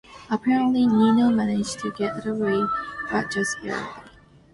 Apparently, Nino managed to get away but just barely.